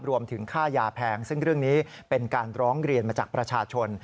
รวมถึงค่ายาแพงซึ่งเรื่องนี้เป็นการร้องเรียนมาจากประชาชน